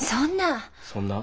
そんな！